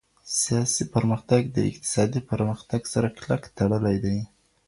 سياسي پرمختګ د اقتصادي پرمختګ سره کلک تړلی دی.